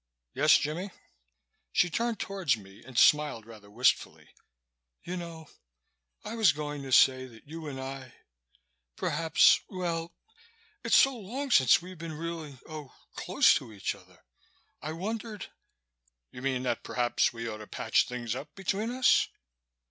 "Yes, Jimmie?" She turned towards me and smiled rather wistfully. "You know, I was going to say that you and I perhaps Well, it's so long since we've been really oh close to each other. I wondered " "You mean that perhaps we ought to patch things up between us?"